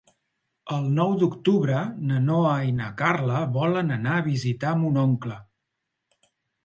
El nou d'octubre na Noa i na Carla volen anar a visitar mon oncle.